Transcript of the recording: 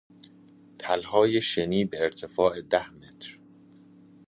تلهای شنی به ارتفاع ده متر